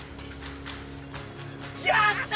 やったー！